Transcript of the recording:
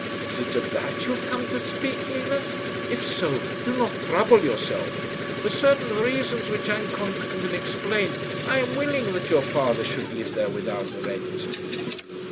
"Is it of that you have come to speak, Nina? If so, do not trouble yourself. For certain reasons, which Anton can explain, I am willing that your father should live there without rent."